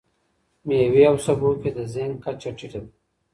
میوې او سبو کې د زینک کچه ټيټه ده.